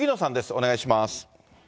お願いします。